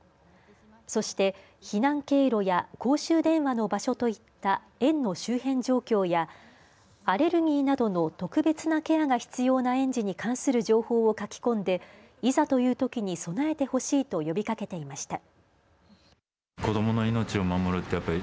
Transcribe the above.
そして避難経路や公衆電話の場所といった園の周辺状況やアレルギーなどの特別なケアが必要な園児に関する情報を書き込んでいざというときに備えてほしいと呼びかけていました。